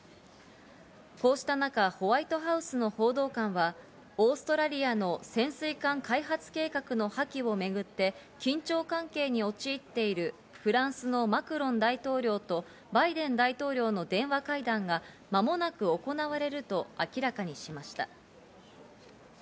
こうした中、ホワイトハウスの報道官は、オーストラリアの潜水艦開発計画の破棄をめぐって緊張関係に陥っているフランスのマクロン大統領とバイデン大統領の電話会談が間もなく行われると明らかにしました。